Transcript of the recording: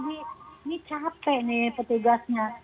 ini capek nih petugasnya